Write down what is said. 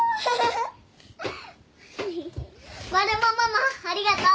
マルモママありがとう。